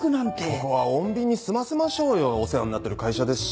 ここは穏便に済ませましょうよお世話になってる会社ですし。